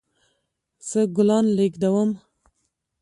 زه ګلان لیږدوم